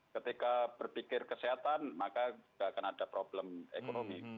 ketika berpikir kesehatan maka tidak akan ada problem ekonomi